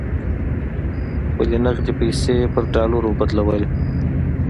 خپلې نغدې پیسې یې پر ډالرو بدلولې.